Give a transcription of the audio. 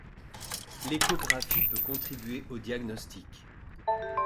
L'échographie peut contribuer au diagnostic.